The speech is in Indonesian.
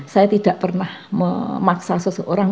saya tidak pernah memaksa seseorang